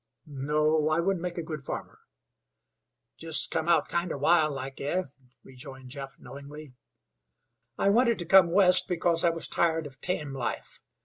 "No, I wouldn't make a good farmer." "Jest cum out kinder wild like, eh?" rejoined Jeff, knowingly. "I wanted to come West because I was tired of tame life.